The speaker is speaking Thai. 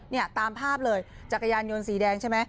เนี่ยตามภาพเลยจักรยานยนต์สีแดงใช่ไหม